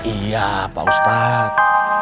iya pak ustadz